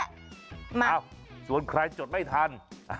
เอ้าส่วนใครจดไม่ทัน